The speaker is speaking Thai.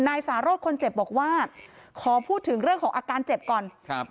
นายสารสคนเจ็บบอกว่าขอพูดถึงเรื่องของอาการเจ็บก่อนครับ